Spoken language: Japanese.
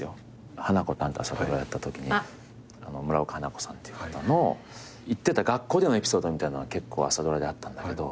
『花子とアン』って朝ドラやったときに村岡花子さんっていう方の行ってた学校でのエピソードみたいなのが結構朝ドラであったんだけど。